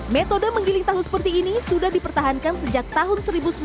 metode menggiling tahu seperti ini sudah dipertahankan sejak tahun seribu sembilan ratus sembilan puluh